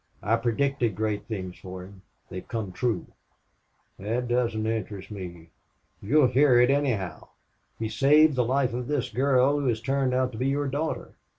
I predicted great things for him. They have come true." "That doesn't interest me." "You'll hear it, anyhow. He saved the life of this girl who has turned out to be your daughter.